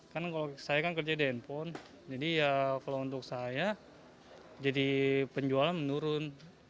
kan kalau saya kan kerja di handphone jadi ya kalau untuk saya jadi penjualan menurun